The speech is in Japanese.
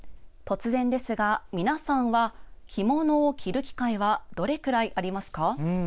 皆さんは、着物を着る機会はどれくらいありますか？